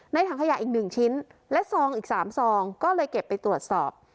ถังขยะอีก๑ชิ้นและซองอีก๓ซองก็เลยเก็บไปตรวจสอบ